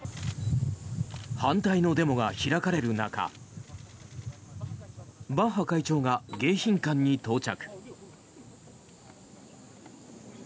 反対のデモが開かれる中バッハ会長が迎賓館に到着。